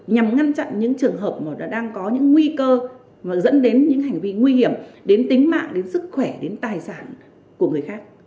nhằm ngăn chặn những trường hợp mà đang có những nguy cơ mà dẫn đến những hành vi nguy hiểm đến tính mạng đến sức khỏe đến tài sản của người khác